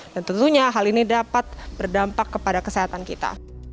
dan tentunya hal ini dapat berdampak kepada kesehatan kita